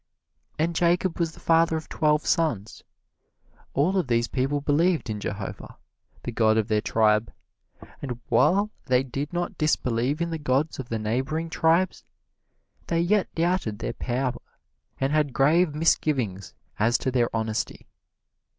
And Jacob was the father of twelve sons. All of these people believed in Jehovah, the god of their tribe; and while they did not disbelieve in the gods of the neighboring tribes, they yet doubted their power and had grave misgivings as to their honesty.